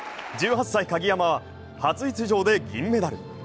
１８歳・鍵山は初出場で銀メダル。